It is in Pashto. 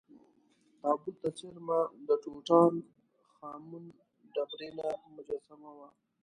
تابوت ته څېرمه د ټوټا ن خا مون ډبرینه مجسمه وه.